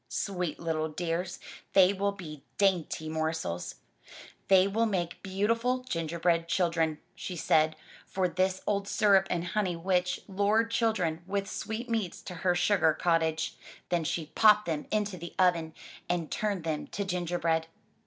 "Sweet little dears. They will be dainty morsels. They will make beautiful gingerbread children/' she said, for this old syrup and honey witch lured children with sweetmeats to her sugar cottage. Then she popped them into the oven and turned them to gingerbread.